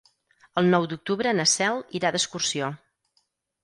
El nou d'octubre na Cel irà d'excursió.